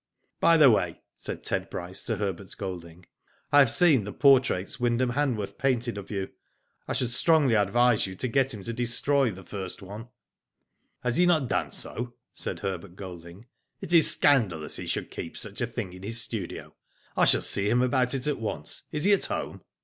*' By the way," said Ted Bryce to Herbert Golding, " I have seen the portraits Wyndham Hanworth painted of you. I should strongly advise you to get him to destroy the first one." Digitized byGoogk FACE TO FACE, 23 1^ ''Has he not done so?*' said Herbert Golding. It is scandalous he should keep such, a thing in his studio. I shall see him about it at once. Is he at home?